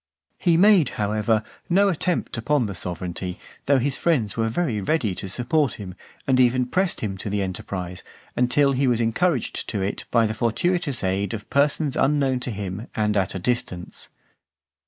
(448) VI. He made, however, no attempt upon the sovereignty, though his friends were very ready to support him, and even pressed him to the enterprise, until he was encouraged to it by the fortuitous aid of persons unknown to him and at a distance.